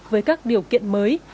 với các điều kiện mới